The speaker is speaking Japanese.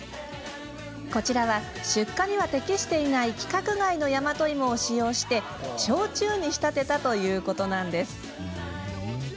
こちらは出荷には適していない規格外の大和いもを使用して焼酎に仕立てたということなんです。